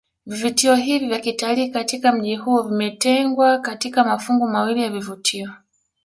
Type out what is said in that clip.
Vivutio hivi vya kitalii katika mji huu vimetengwa katika mafungu mawili ya vivutio